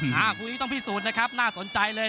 คู่นี้ต้องพิสูจน์นะครับน่าสนใจเลย